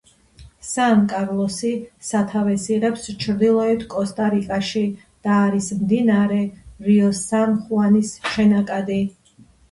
სან კარლოსი სათავეს იღებს ჩრდილოეთ კოსტა-რიკაში და არის მდინარე რიო სან ხუანის შენაკადი.